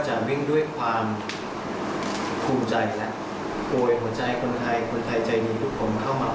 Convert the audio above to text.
ช่วยกันมาเติมกระบุงหัวใจให้เยอะ